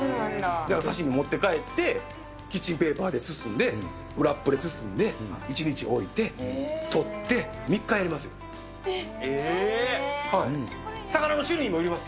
持って帰って、キッチンペーパーで包んで、ラップで包んで、１日置いて、取って、３日やりまえっ？